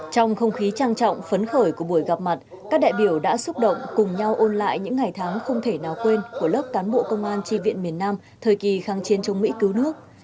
trong không khí trang trọng phấn khởi của buổi gặp mặt các đại biểu đã xúc động cùng nhau ôn lại những ngày tháng không thể nào quên của lớp cán bộ công an tri viện miền nam thời kỳ kháng chiến chống mỹ cứu nước